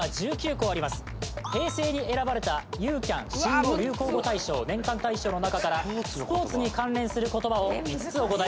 平成に選ばれたユーキャン「新語・流行語大賞」年間大賞の中からスポーツに関連する言葉を５つお答え